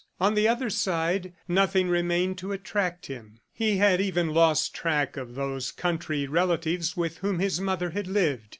On the other side, nothing remained to attract him. He had even lost track of those country relatives with whom his mother had lived.